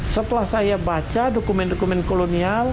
setelah saya baca dokumen dokumen kolonial